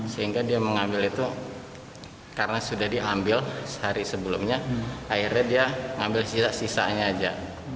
sehingga dia mengambil itu karena sudah diambil sehari sebelumnya akhirnya dia mengambil sisanya saja